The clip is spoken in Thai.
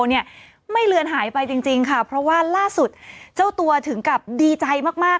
เนี่ยไม่เลือนหายไปจริงค่ะเพราะว่าล่าสุดเจ้าตัวถึงกับดีใจมากมาก